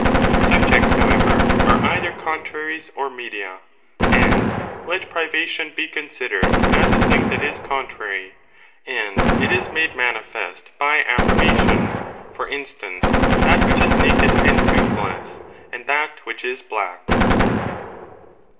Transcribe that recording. Subjects, however, are either contraries or media ; and let privation be considered as a thing that is contrary : and it is made manifest by affirmation; for instance, that which is naked and toothless, and that which is black.